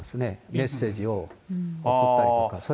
メッセージを送ったりとか。